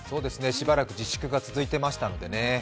しばらく自粛が続いてましたのでね。